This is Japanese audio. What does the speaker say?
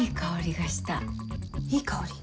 いい香り？